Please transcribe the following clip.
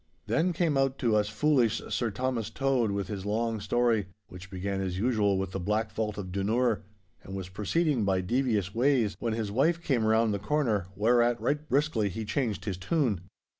Then came out to us foolish Sir Thomas Tode with his long story, which began as usual with the Black Vault of Dunure, and was proceeding by devious ways when his wife came round the corner—whereat right briskly he changed his tune.